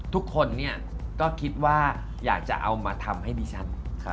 ทุกคนก็คิดว่าอยากจะเอามาทำให้ดิฉัน